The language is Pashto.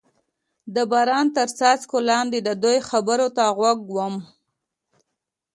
د باران تر څاڅکو لاندې د دوی خبرو ته غوږ ووم.